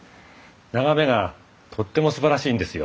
眺めがとってもすばらしいんですよ。